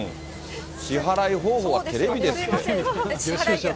支払い方法はテレビですって。